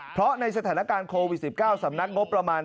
เพราะในสถานการณ์โควิด๑๙สำนักงบประมาณ